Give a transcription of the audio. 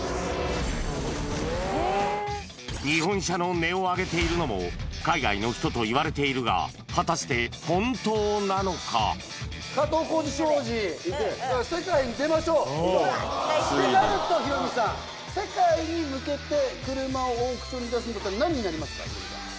日本車の値を上げているのも、海外の人といわれているが、加藤浩次商事、世界に出ましょう！となると、ヒロミさん、世界に向けて、車をオークションに出すんだったらなんになりますか？